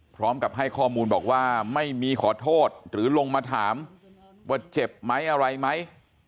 พร้อมกับให้ข้อมูลบอกว่าไม่มีขอโทษหรือลงมาถามว่าเจ็บไหมอะไรไหม